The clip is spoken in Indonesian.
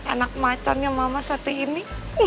anak macan yang mama sati ini